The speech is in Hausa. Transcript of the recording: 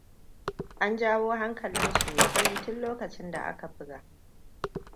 An jawo hankalin sosai tun lokacin da aka buga.